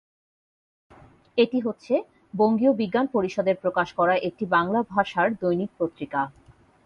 এটি হচ্ছে বঙ্গীয় বিজ্ঞান পরিষদের প্রকাশ করা একটি বাংলা ভাষার বৈজ্ঞানিক পত্রিকা।